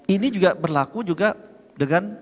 ini juga berlaku dengan